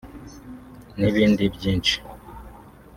n’ibindi byinshi